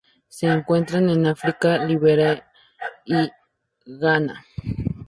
Se encuentran en África: Liberia y Ghana.